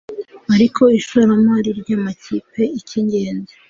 ariko ishoramari ryamakipe icyingenzi